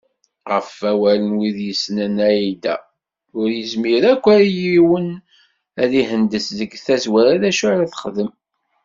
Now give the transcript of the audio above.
Ɣef wawal n wid yessnen Ai-Da, ur yezmir akk yiwen ad ihendez seg tazwara d acu ara d-texdem.